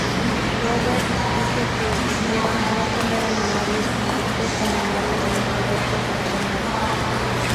Roberts dice que "escogieron no comer animales, productos animales ni productos cocinados.